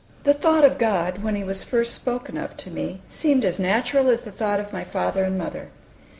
The thought of God, when He was first spoken of to me, seemed as natural as the thought of my father and mother.